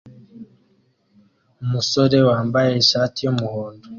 Umusore wambaye ishati yumuhondo